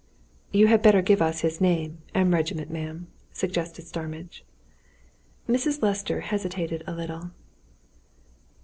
"You had better give us his name and regiment, ma'am," suggested Starmidge. Mrs. Lester hesitated a little.